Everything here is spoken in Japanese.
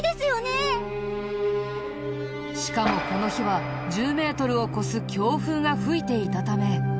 しかもこの日は１０メートルを超す強風が吹いていたため。